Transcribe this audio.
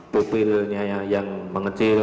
mobilnya ya yang mengecil